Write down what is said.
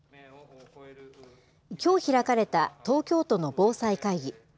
きょう開かれた東京都の防災会議。